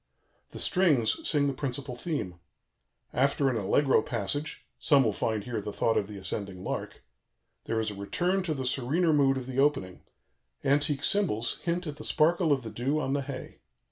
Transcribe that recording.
The strings sing the principal theme. After an allegro passage (some will find here the thought of the ascending lark), there is a return to the serener mood of the opening; antique cymbals hint at the sparkle of the dew on the hay.